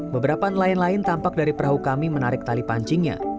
beberapa nelayan lain tampak dari perahu kami menarik tali pancingnya